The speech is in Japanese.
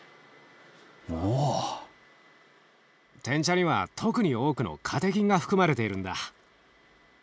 てん茶には特に多くのカテキンが含まれているんだ。